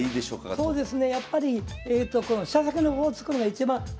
そうですね。